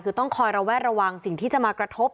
คือต้องคอยระแวดระวังสิ่งที่จะมากระทบ